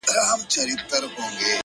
o زه سم پء اور کړېږم ستا په محبت شېرينې ـ